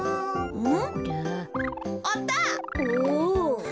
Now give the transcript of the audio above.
うん？